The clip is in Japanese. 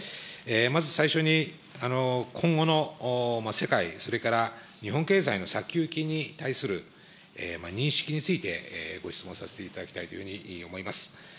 まず最初に、今後の世界、それから日本経済の先行きに対する認識について、ご質問させていただきたいというふうに思います。